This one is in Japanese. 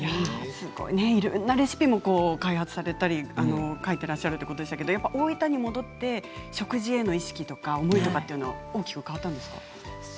いろんなレシピも開発されたり書いてらっしゃるということでしたけど大分に戻って食事への意識とか思いは大きく変わったんですか。